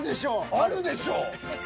あるでしょ！